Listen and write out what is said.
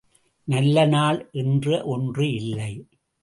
நல்ல நாள் என்று ஒன்று இல்லை!